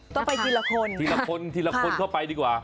ต้องไปทีละคนทีละคนก็ไปดีกว่า